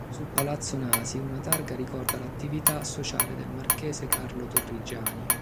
Su palazzo Nasi una targa ricorda l'attività sociale del marchese Carlo Torrigiani.